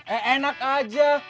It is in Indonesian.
eh enak aja